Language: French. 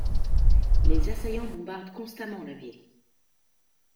Les assaillants bombardent constamment la ville.